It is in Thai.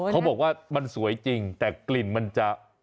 เขาบอกว่ามันสวยจริงแต่กลิ่นมันจะ